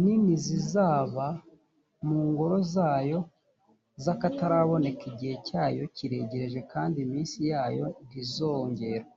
nini zizaba mu ngoro zayo z akataraboneka igihe cyayo kiregereje kandi iminsi yayo ntizongerwa